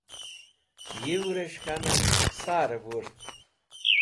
yew'resh k̃̃hanen sar e wurt